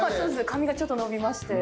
髪がちょっと伸びまして。